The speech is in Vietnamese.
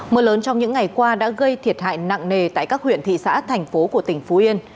mưa lớn trong những ngày qua đã gây thiệt hại nặng nề tại các huyện thị xã thành phố của tỉnh phú yên